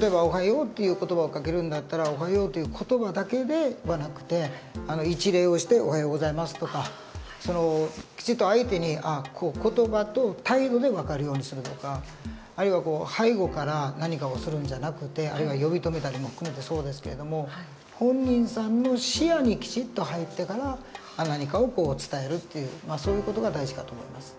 例えば「おはよう」っていう言葉をかけるんだったら「おはよう」っていう言葉だけではなくて一礼をして「おはようございます」とかきちっと相手に言葉と態度で分かるようにするとかあるいは背後から何かをするんじゃなくてあるいは呼び止めたりも含めてそうですけれども本人さんの視野にきちっと入ってから何かを伝えるっていうそういう事が大事かと思います。